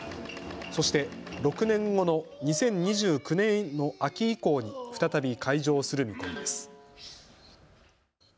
そして６年後の２０２９年の秋以降に再び開場する見込みです。